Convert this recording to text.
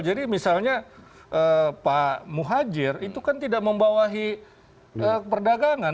misalnya pak muhajir itu kan tidak membawahi perdagangan